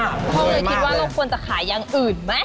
พ่อเลยคิดว่าเราควรจะขายอย่างอื่นไหม